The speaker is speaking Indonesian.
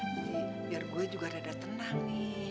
nih biar gue juga agak tenang nih